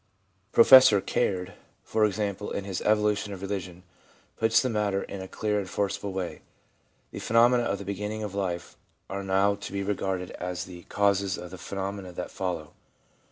Professor Caird, for example, in his Evolution of Religion, puts the matter in a clear and forcible way :* The phenomena of the beginning of life are not to be regarded as the causes of the phenomena that follow.